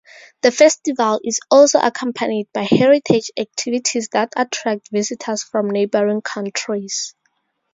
The festival is also accompanied by heritage activities that attract visitors from neighboring countries.